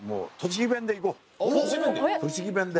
栃木弁で？